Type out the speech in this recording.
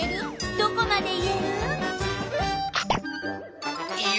どこまで言える？